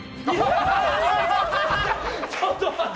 ちょっと待って！